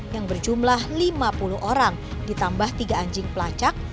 yang berjumlah lima puluh orang ditambah tiga anjing pelacak